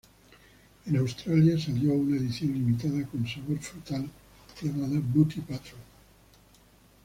En Australia salió una edición limitada con sabor frutal llamada "Booty Patrol".